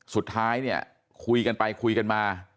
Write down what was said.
สุดท้ายเนี่ยคุยกันไปคุยกันมา